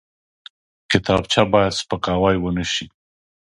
کتابچه باید سپکاوی ونه شي